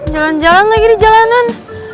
jalan jalan lagi di jalanan